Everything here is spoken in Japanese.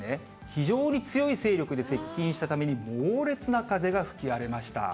非常に強い勢力で接近したために、猛烈な風が吹き荒れました。